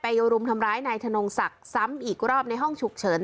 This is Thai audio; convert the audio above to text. โยรุมทำร้ายนายธนงศักดิ์ซ้ำอีกรอบในห้องฉุกเฉิน